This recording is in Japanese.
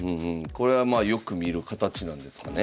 これはまあよく見る形なんですかね。